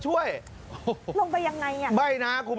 สวัสดีครับ